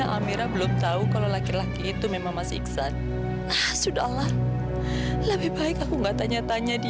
sampai jumpa di video selanjutnya